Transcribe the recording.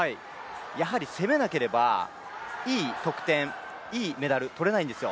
やはり攻めなければ、いい得点、いいメダルは取れないんですよ。